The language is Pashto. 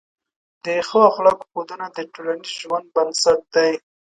د ښه اخلاقو ښودنه د ټولنیز ژوند بنسټ دی.